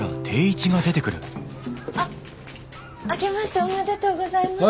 あっ明けましておめでとうございます。